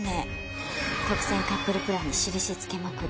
特選カップルプランに印付けまくり。